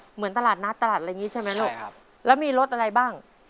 เหมือนตลาดนัดตลาดอะไรอย่างนี้ใช่ไหมลูกแล้วมีรถอะไรบ้าง